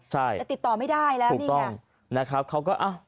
แต่ติดต่อไม่ได้แล้ว